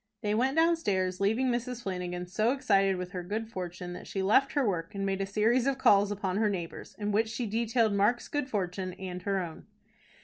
They went downstairs, leaving Mrs. Flanagan so excited with her good fortune, that she left her work, and made a series of calls upon her neighbors, in which she detailed Mark's good fortune and her own.